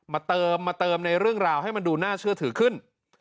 มาเติมในเรื่องราวให้มันดูน่าเชื่อถือขึ้น